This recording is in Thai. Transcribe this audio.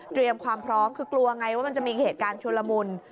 ความพร้อมคือกลัวไงว่ามันจะมีเหตุการณ์ชุลมุน